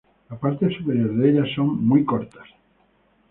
La parte superior de ellas son muy cortas.